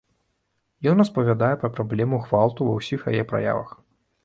Ён распавядае пра праблему гвалту ва ўсіх яе праявах.